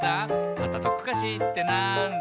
「パタトクカシーーってなんだ？」